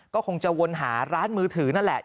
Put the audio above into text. ก็คงจะวนหาร้านมือถือนั่นแหละ